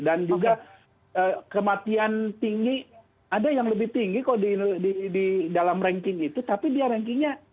dan juga kematian tinggi ada yang lebih tinggi kalau di dalam ranking itu tapi dia rankingnya